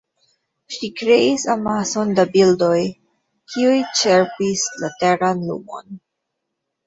Ŝi kreis amason da bildoj, kiuj ĉerpis la teran lumon.